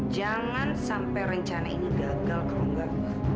jangan sampai rencana ini gagal kalau enggak